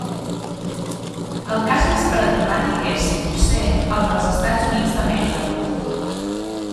El cas més paradigmàtic és, potser, el dels Estats Units d'Amèrica.